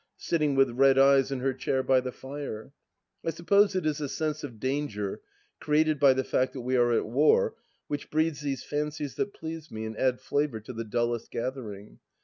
sitting with red eyes in her chair by the fire. ...,.,. x ,. 1.1, .. I suppose it is the sense of danger created by the fact that we are at war which breeds these fancies that please me and add flavour to the dullest gathering.